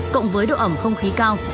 cộng với độ ẩm không khí cao